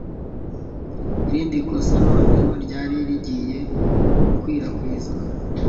Irindi kosa noneho ryari rigiye gukwirakwizwa.